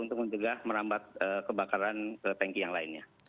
untuk mencegah merambat kebakaran ke tanki yang lainnya